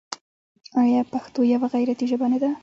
آیا پښتو یوه غیرتي ژبه نه ده؟